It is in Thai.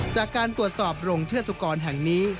จากการตรวจสอบโรงเชื้อสุกรแห่งนี้